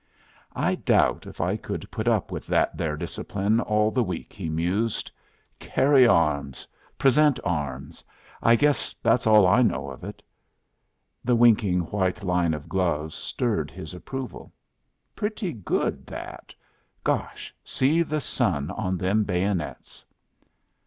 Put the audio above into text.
"I doubt if I could put up with that there discipline all the week," he mused. "Carry arms! Present Arms! I guess that's all I know of it." The winking white line of gloves stirred his approval. "Pretty good that. Gosh, see the sun on them bayonets!"